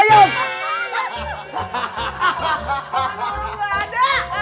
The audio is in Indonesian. orang gak ada